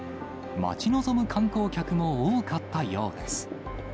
待ち望む観光客も多かったようです。